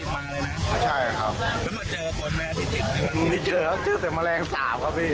มาเลยนะครับไม่ใช่ครับไม่เจอมันเจอแต่แมลงสาปครับพี่